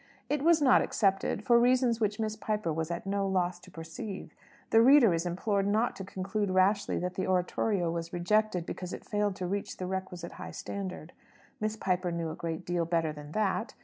It was not accepted for reasons which Miss Piper was at no loss to perceive. The reader is implored not to conclude rashly that the oratorio was rejected because it failed to reach the requisite high standard. Miss Piper knew a great deal better than that.